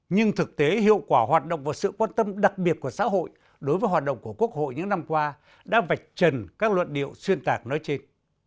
nhưng thực tế hiệu quả hoạt động và sự quan tâm đặc biệt của xã hội đối với hoạt động của quốc hội những năm qua đã vạch trần các luận điệu xuyên tạc nói trên